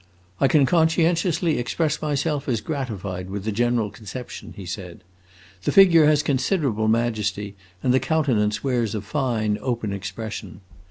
"I can conscientiously express myself as gratified with the general conception," he said. "The figure has considerable majesty, and the countenance wears a fine, open expression.